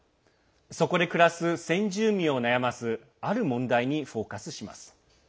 そこで暮らす先住民を悩ますある問題にフォーカスします。